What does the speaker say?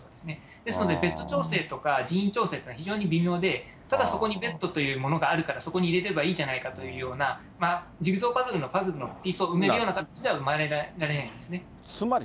ですので、ベッド調整とか人員調整というのは非常に微妙で、ただそこにベッドというものがあるからそこに入れればいいじゃないかというような、ジグソーパズルのパズルのピースを埋めるような形では埋められなつまり、